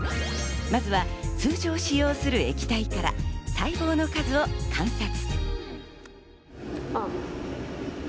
まずは通常使用する液体から細胞の数を観察。